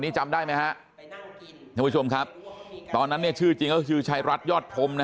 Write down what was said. นี้จำได้ไหมครับตอนนั้นเนี่ยชื่อจริงก็ชื่อชายรัฐยอดพรมนะ